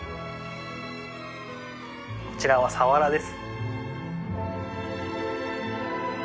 こちらはサワラです。